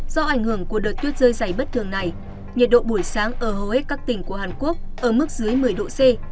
do ảnh hưởng của đợt tuyết rơi dày bất thường này nhiệt độ buổi sáng ở hầu hết các tỉnh của hàn quốc ở mức dưới một mươi độ c